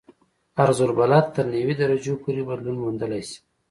عرض البلد تر نوي درجو پورې بدلون موندلی شي